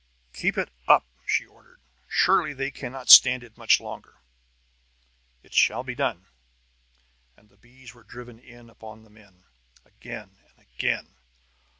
"Keep it up," she ordered. "They surely cannot stand it much longer." "It shall be done!" And the bees were driven in upon the men, again and again.